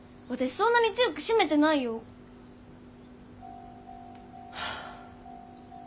そんなに強く閉めてないよ。はあ。